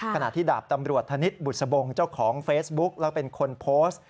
ขณะที่ดาบตำรวจธนิษฐ์บุษบงเจ้าของเฟซบุ๊กแล้วเป็นคนโพสต์